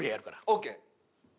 オーケー。